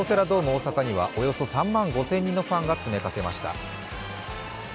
大阪にはおよそ３万５０００人のファンが詰めかけました。